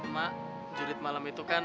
mak jurid malam itu kan